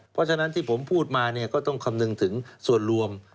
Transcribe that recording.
เพราะฉะนั้นที่ผมพูดมาเนี่ยก็ต้องคำนึงถึงส่วนรวม